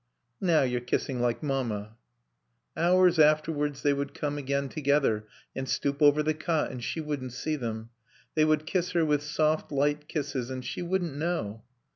"Now you're kissing like Mamma " Hours afterwards they would come again together and stoop over the cot and she wouldn't see them; they would kiss her with soft, light kisses, and she wouldn't know.